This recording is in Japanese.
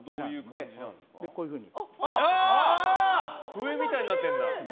笛みたいになってるんだ。